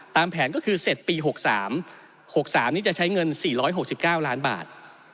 ตามแผนก็คือเสร็จปี๖๓๖๓นี้จะใช้เงิน๔๖๙ล้านบาท